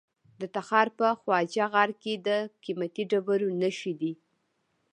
د تخار په خواجه غار کې د قیمتي ډبرو نښې دي.